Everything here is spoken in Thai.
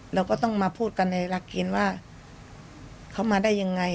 เราก็ต้องมาพูดกันในหลักเกณฑ์ว่าเขามาได้ยังไง